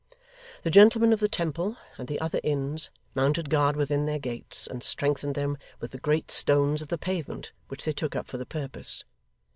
The gentlemen of the Temple, and the other Inns, mounted guard within their gates, and strengthened them with the great stones of the pavement, which they took up for the purpose.